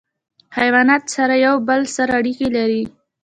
حیوانات سره یو بل سره اړیکه لري.